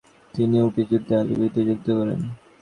তিনি উটের যুদ্ধে আলী বিরুদ্ধে যুদ্ধ করেন।